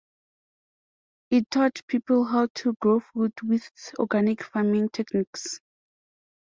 It taught people how to grow food with organic farming techniques.